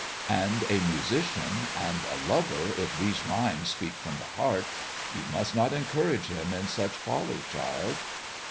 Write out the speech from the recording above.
"And a musician — and a lover, if these rhymes speak from the heart. You must not encourage him in such folly, child."